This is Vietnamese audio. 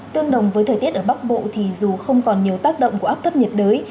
tương đồng với thời tiết ở bắc bộ thì dù không còn nhiều tác động của áp thấp nhiệt đới